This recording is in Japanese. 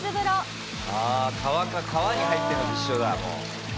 川に入ってるのと一緒だもう。